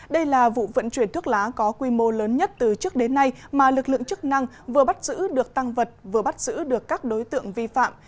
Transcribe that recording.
đây là vụ vận chuyển thuốc lá có quy mô lớn nhất từ trước đến nay mà lực lượng chức năng vừa bắt giữ được tăng vật vừa bắt giữ được các đối tượng vi phạm